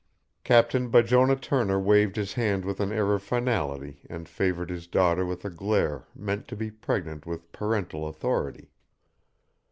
Captain Bijonah Turner waved his hand with an air of finality and favored his daughter with a glare meant to be pregnant with parental authority.